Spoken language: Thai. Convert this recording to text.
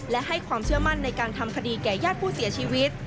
และให้ความเชื่อมั่นในการทำคดีแก่ญาติผู้เสียชีวิต